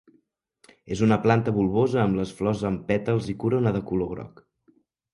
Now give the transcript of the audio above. És una planta bulbosa amb les flors amb pètals i corona de color groc.